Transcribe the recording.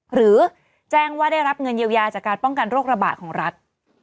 หรือแจ้งว่าได้รับเงินเยียวยาจากการป้องกันโรคระบาดของรัฐ